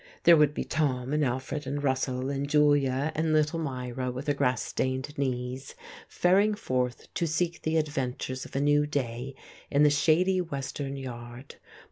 There would be Tom and Alfred and Russell and Julia and little Myra with her grass stained knees, faring forth to seek the adventures of a new day in the shady western yard.